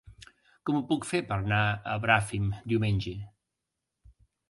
Com ho puc fer per anar a Bràfim diumenge?